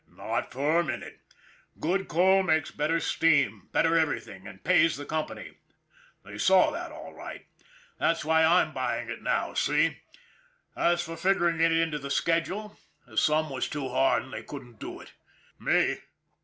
" Not for a minute ! Good coal makes better steam, better everything, and pays the company. They saw that all right. That's why I'm MCQUEEN'S HOBBY 291 buying it, see? As for figuring it into the schedule, the sum was too hard and they couldn't do it. Me?